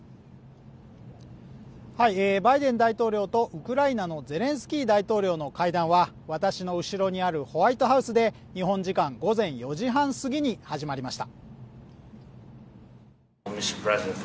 バイデン大統領とウクライナのゼレンスキー大統領の会談は私の後ろにあるホワイトハウスで日本時間午前４時半すぎに始まりました。